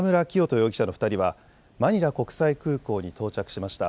容疑者の２人はマニラ国際空港に到着しました。